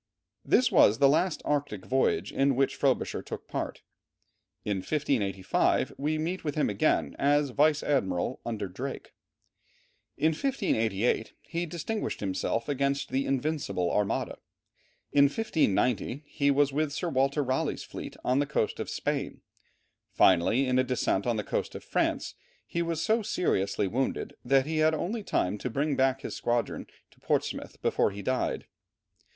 This was the last Arctic voyage in which Frobisher took part. In 1585 we meet with him again as vice admiral, under Drake; in 1588 he distinguished himself against the Invincible Armada; in 1590 he was with Sir Walter Raleigh's fleet on the coast of Spain; finally in a descent on the coast of France, he was so seriously wounded that he had only time to bring his squadron back to Portsmouth before he died.